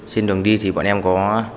xin đường đi thì bọn em có